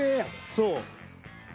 そう。